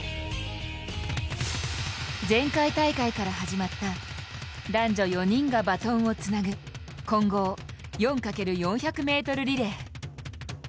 前回大会から始まった男女４人がバトンをつなぐ混合４×４００ｍリレー。